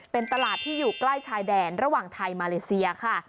เป็นตลาดที่อยู่ใกล้ชายแดนระหว่างไทยมาเลเซียค่ะ